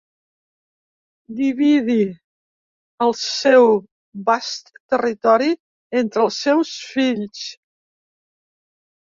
Dividí el seu bast territori entre els seus fills.